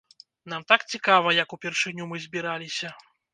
Нам так цікава, як упершыню мы збіраліся.